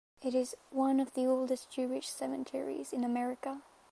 It is one of the oldest Jewish cemeteries in America.